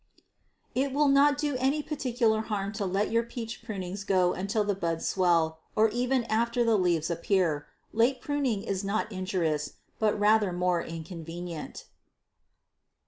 It will not do any particular harm to let your peach pruning go until the buds swell or even after the leaves appear. Late pruning is not injurious, but rather more inconvenient.